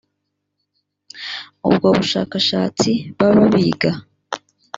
ubwo bushakashatsi baba biga